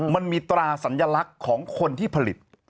มันมีตราสัญลักษณ์ของคนที่ผลิต